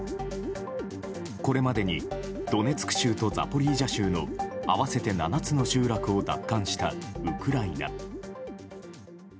これまでにドネツク州とザポリージャ州の合わせて７つの集落を奪還したウクライナ。